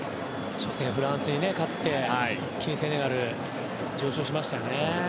初戦、フランスに勝って一気にセネガルは上昇しましたよね。